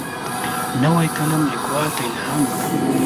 نوی قلم لیکوال ته الهام ورکوي